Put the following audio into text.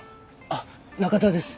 あっ中田です。